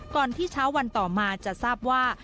ที่เช้าวันต่อมาจะทราบว่า